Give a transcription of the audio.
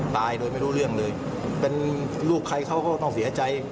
ตายโดยไม่รู้เรื่องเลยเป็นลูกใครเขาก็ต้องเสียใจ